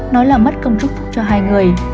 nó là mất công chúc phúc cho hai người